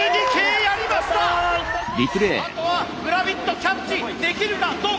あとはグラビットキャッチできるかどうか！